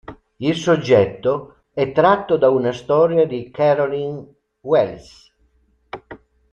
Il soggetto è tratto da una storia di Carolyn Wells.